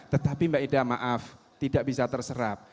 tetapi mbak ida maaf tidak bisa terserap